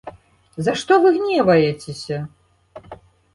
За што вы гневаецеся?